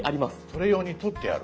それ用に取ってある？